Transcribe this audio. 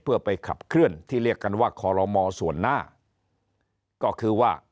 เพื่อไปขับเคลื่อนที่เรียกกันว่าคอลโลมอส่วนหน้าก็คือว่า